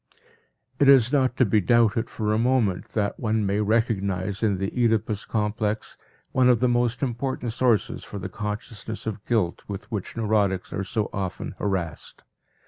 It is not to be doubted for a moment that one may recognize in the Oedipus complex one of the most important sources for the consciousness of guilt with which neurotics are so often harassed.